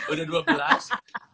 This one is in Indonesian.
udah dua belas